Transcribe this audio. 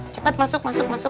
cepet masuk masuk ayo